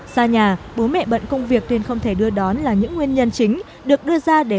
xa nhà bố mẹ bận công việc nên không thể đưa đón là những nguyên nhân chính được đưa ra để